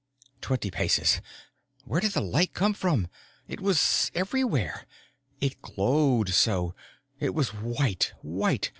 Twenty paces. Where did the light come from? It was everywhere; it glowed so; it was white, white.